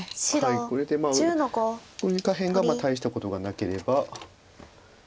これで下辺が大したことがなければ。